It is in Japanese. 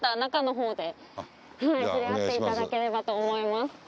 触れ合っていただければと思います。